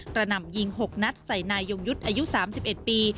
กระหน่ำยิงหกนัดใส่นายยงยุทธ์อายุสามสิบเอ็ดปี